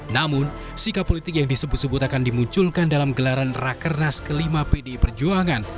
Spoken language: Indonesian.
namun sikap politik yang disebut sebut akan dimunculkan dalam gelaran rakernas ke lima pdi perjuangan